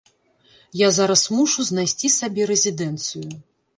Я зараз мушу знайсці сабе рэзідэнцыю.